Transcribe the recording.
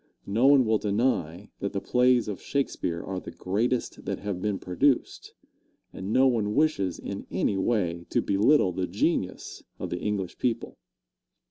No one will deny that the plays of Shakespeare are the greatest that have been produced, and no one wishes in any way to belittle the genius of the English people.